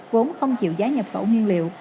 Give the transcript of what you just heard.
vốn không chịu giá nhập khẩu nguyên liệu